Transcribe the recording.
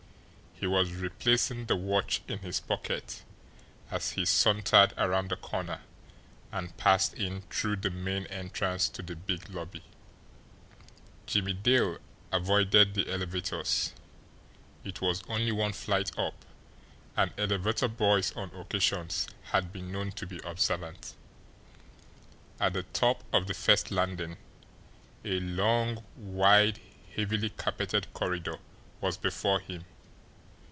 He was replacing the watch in his pocket as he sauntered around the corner, and passed in through the main entrance to the big lobby. Jimmie Dale avoided the elevators it was only one flight up, and elevator boys on occasions had been known to be observant. At the top of the first landing, a long, wide, heavily carpeted corridor was before him.